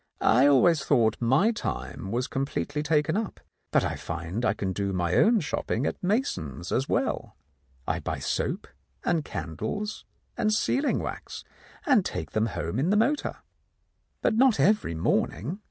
I always thought my time was completely taken up, but I find I can do my own shopping at Mason's as well. I buy soap and candles and sealing wax, and take them home in the motor." "But not every morning?"